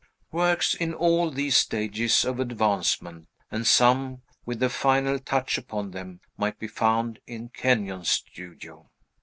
Works in all these stages of advancement, and some with the final touch upon them, might be found in Kenyon's studio.